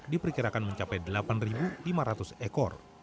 diperkirakan mencapai delapan lima ratus ekor